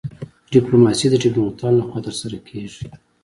ډیپلوماسي د ډیپلوماتانو لخوا ترسره کیږي